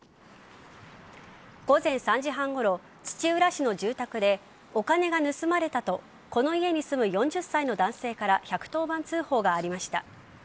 午前３時半ごろ土浦市の住宅でお金が盗まれたとこの家に住む４０歳の男性から１１０番通報がありました。